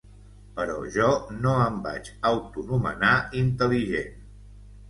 Però jo no em vaig auto nomenar intel·ligent.